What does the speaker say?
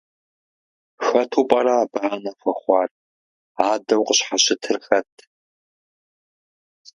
Хэту пӏэрэ абы анэ хуэхъуар, адэу къыщхьэщытыр хэт?